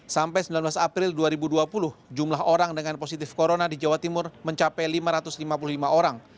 sampai sembilan belas april dua ribu dua puluh jumlah orang dengan positif corona di jawa timur mencapai lima ratus lima puluh lima orang